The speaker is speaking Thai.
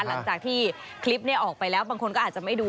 หลังจากที่คลิปนี้ออกไปแล้วบางคนก็อาจจะไม่ดู